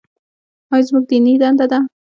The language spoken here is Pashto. دا زموږ دیني دنده ده.